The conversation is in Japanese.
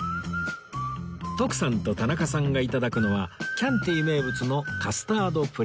徳さんと田中さんが頂くのはキャンティ名物のカスタードプリン